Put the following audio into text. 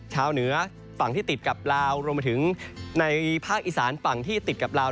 เหนือฝั่งที่ติดกับลาวรวมไปถึงในภาคอีสานฝั่งที่ติดกับลาว